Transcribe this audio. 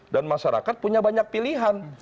masyarakat punya banyak pilihan